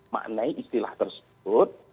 maknai istilah tersebut